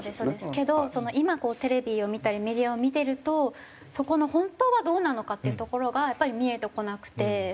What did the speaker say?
けど今テレビを見たりメディアを見てるとそこの本当はどうなのか？っていうところがやっぱり見えてこなくて。